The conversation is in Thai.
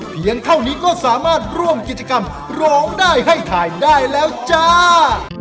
เพียงเท่านี้ก็สามารถร่วมกิจกรรมร้องได้ให้ถ่ายได้แล้วจ้า